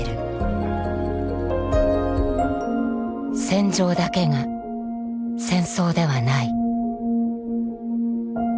戦場だけが戦争ではない。